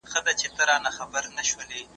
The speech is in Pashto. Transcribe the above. که تاریخي واقعیت په پام کي ونیسئ څېړنه رښتینې ده.